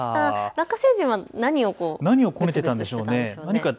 ラッカ星人は何をこねていたんでしょうか。